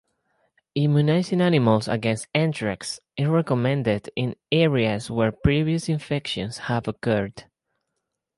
Immunizing animals against anthrax is recommended in areas where previous infections have occurred.